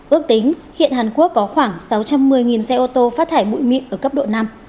ước tính hiện hàn quốc có khoảng sáu trăm một mươi xe ô tô phát thải bụi mịn ở cấp độ năm